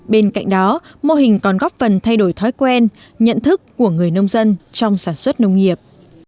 bên cạnh đó mô hình còn góp phần thay đổi thói quen nhận thức của người nông dân trong sản xuất nông nghiệp